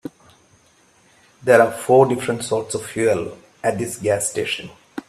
There are four different sorts of fuel at this gas station.